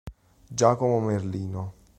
Giacomo Merlino.